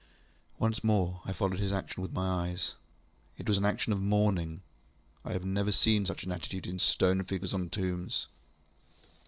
ŌĆØ Once more I followed his action with my eyes. It was an action of mourning. I have seen such an attitude in stone figures on tombs.